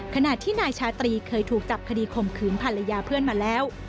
ขณะที่นายชาตรีเคยถูกจับคดีข่มขืนภรรยาเพื่อนมาแล้ว